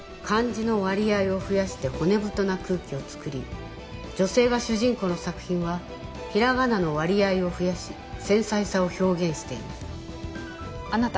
漢字の割合を増やして骨太な空気を作り女性が主人公の作品は平仮名の割合を増やし繊細さを表現しています。